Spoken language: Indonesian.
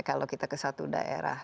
kalau kita ke satu daerah